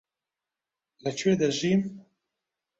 لەکوێ دەژیم؟